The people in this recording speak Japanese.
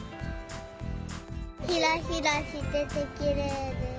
ひらひらしててきれいです。